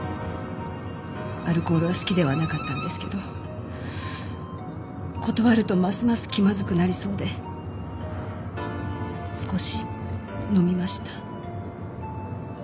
アルコールは好きではなかったんですけど断るとますます気まずくなりそうで少し飲みました。